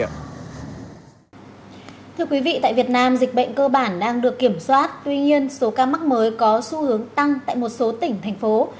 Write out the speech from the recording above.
tại việt nam dịch bệnh cơ bản đang được kiểm soát tuy nhiên số ca mắc mới có xu hướng tăng tại một số tỉnh thành phố